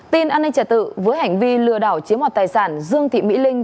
tin an ninh trả tự với hành vi lừa đảo chiếm hoạt tài sản dương thị mỹ linh